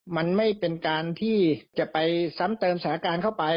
มันไม่เป็นการที่จะไปซ้ำเติมสถานการณ์เข้าไป